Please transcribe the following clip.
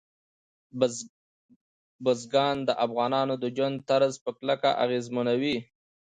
بزګان د افغانانو د ژوند طرز په کلکه اغېزمنوي.